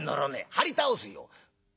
「はり倒すよ」。